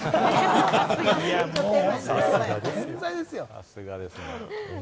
さすがですね。